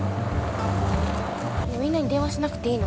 みんなに電話しなくていいの？